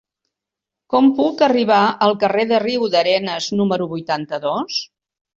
Com puc arribar al carrer de Riudarenes número vuitanta-dos?